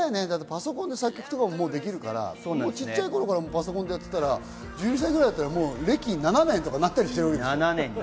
パソコンで作曲とかもできるから、小さい頃からパソコンでやってたら、１２歳ぐらいだったら歴７年とかなったりするわけでしょ。